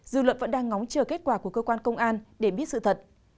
dư luận vẫn đang ngóng chờ kết quả của cơ quan công an để biết sự thật